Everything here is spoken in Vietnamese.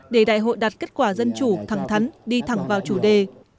để đại hội đạt kết quả dân chủ thẳng thắn đi thẳng vào chủ đề